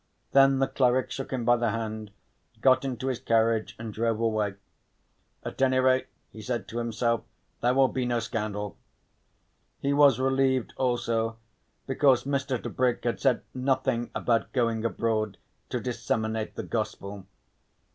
Then the cleric shook him by the hand, got into his carriage and drove away. "At any rate," he said to himself, "there will be no scandal." He was relieved also because Mr. Tebrick had said nothing about going abroad to disseminate the Gospel.